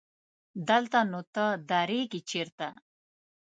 دلته نو ته درېږې چېرته؟